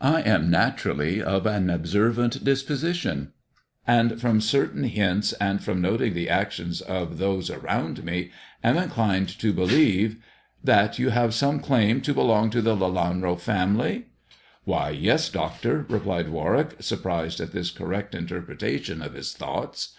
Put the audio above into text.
I i^ am naturally of an observant disposition, and from certain 106 THE dwarf's chamber hints and from noting the actions of those around me I am inclined to believe "" That you have some claim to belong to the Lelanro family." " Why, yes, doctor," replied Warwick, surprised at this correct interpretation of his thoughts.